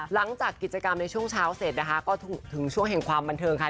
หลังจากกิจกรรมในช่วงเช้าเสร็จนะคะก็ถึงช่วงแห่งความบันเทิงค่ะ